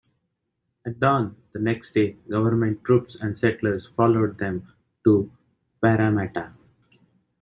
At dawn the next day government troops and settlers followed them to Parramatta.